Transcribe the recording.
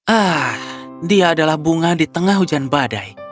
ah dia adalah bunga di tengah hujan badai